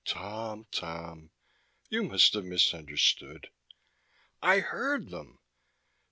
"Tom, Tom. You must have misunderstood." "I heard them!"